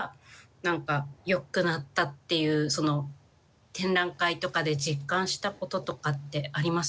何かよくなったっていうその展覧会とかで実感したこととかってありますか？